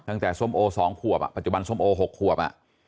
ตั้งแต่ส้มโอ๒ควบปัจจุบันส้มโอ๖ควบ